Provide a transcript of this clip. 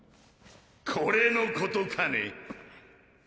これのことかね？」